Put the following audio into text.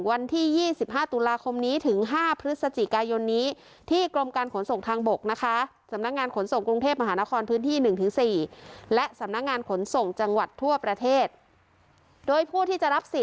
วันที่๒๕ทุลาคมนี้ถึง๕พฤศจีกายนนี้